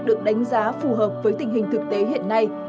được đánh giá phù hợp với tình hình thực tế hiện nay